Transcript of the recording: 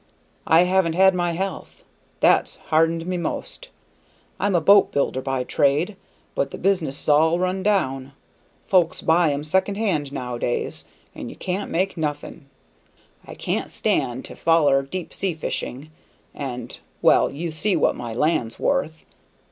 I haven't had my health; that's hendered me most. I'm a boat builder by trade, but the business's all run down; folks buys 'em second hand nowadays, and you can't make nothing. I can't stand it to foller deep sea fishing, and well, you see what my land's wuth.